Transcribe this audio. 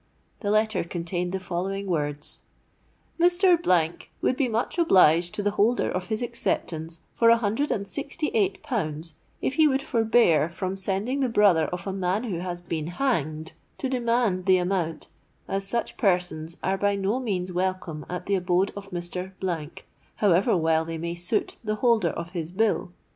The letter contained the following words:—'_Mr.——would be much obliged to the holder of his acceptance, for a hundred and sixty eight pounds, if he would forbear from sending the brother of a man who has been hanged, to demand the amount, as such persons are by no means welcome at the abode of Mr.——, however well they may suit the holder of his bill.